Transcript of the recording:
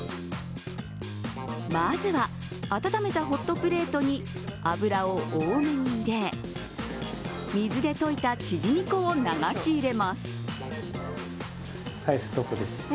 まずは、温めたホットプレートに油を多めに入れ水で溶いたチヂミ粉を流し入れます。